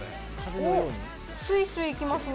おっ、すいすいいきますね。